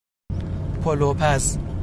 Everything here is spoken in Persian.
پلو پز